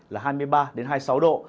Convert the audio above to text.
là hai mươi ba hai mươi sáu độ